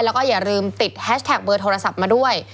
แล้วก็อย่าลืมติดแฮชแท็กเบอร์โทรศัพท์มาด้วย